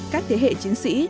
các thế hệ chiến sĩ